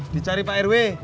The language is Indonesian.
dicari pak rw